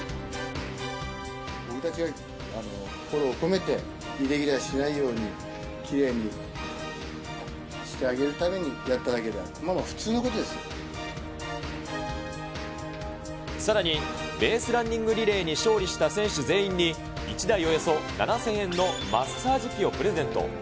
僕たちが心を込めて、イレギュラーしないように、きれいにしてあげるためにやっただけであって、さらに、ベースランニングリレーに勝利した選手全員に１台およそ７０００円のマッサージ器をプレゼント。